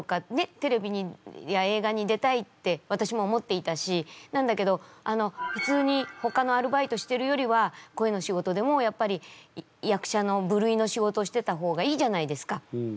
テレビや映画に出たいって私も思っていたしなんだけどあの普通にほかのアルバイトしてるよりは声の仕事でもやっぱり役者の部類の仕事をしてた方がいいじゃないですか。